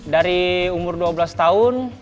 dari umur dua belas tahun